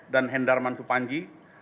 dan hendarman supanji